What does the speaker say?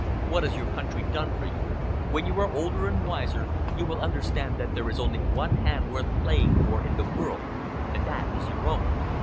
"What has your country done for you? When you are older and wiser, you will understand that there is only one hand worth playing for in the world, and that is your own.